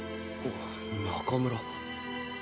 中村。